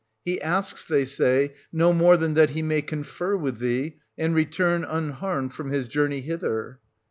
He asks, they say, no more than that he may confer with thee, and return unharmed from his journey hither.